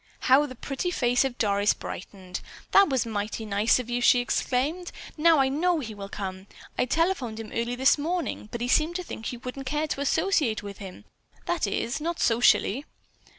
How the pretty face of Doris brightened. "That was mighty nice of you!" she exclaimed. "Now I know he will come. I telephoned him early this morning, but he seemed to think you wouldn't care to associate with him; that is, not socially."